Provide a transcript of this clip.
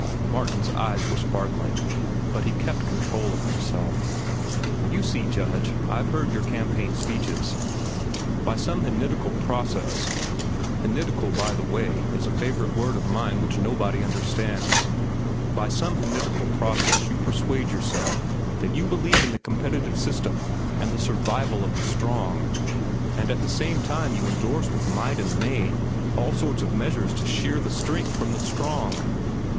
Martin's eyes were sparkling, but he kept control of himself. "You see, Judge, I've heard your campaign speeches. By some henidical process—henidical, by the way is a favorite word of mine which nobody understands—by some henidical process you persuade yourself that you believe in the competitive system and the survival of the strong, and at the same time you indorse with might and main all sorts of measures to shear the strength from the strong."